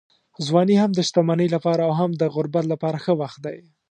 ځواني هم د شتمنۍ لپاره او هم د غربت لپاره ښه وخت دی.